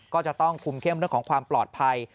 ก็จะต้องคุมเข้มเรื่องของความปลอดภัย